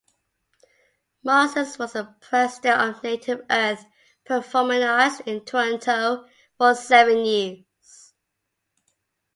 Moses was the president of Native Earth Performing Arts in Toronto for seven years.